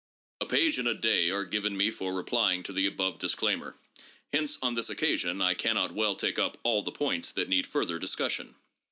A page and a day are given me for replying to the above disclaimer ; hence on this occasion I cannot well take up all the points that need further discussion.